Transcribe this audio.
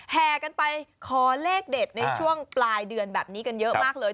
แห่กันไปขอเลขเด็ดในช่วงปลายเดือนแบบนี้กันเยอะมากเลย